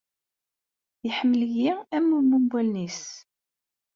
Iḥemmel-iyi am mummu n wallen-is.